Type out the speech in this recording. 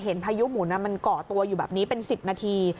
พายุหมุนมันเกาะตัวอยู่แบบนี้เป็น๑๐นาที